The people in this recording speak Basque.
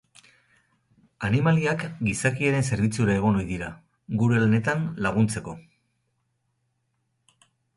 Animaliak gizakiaren zerbitzura egon ohi dira, gure lanetan laguntzeko.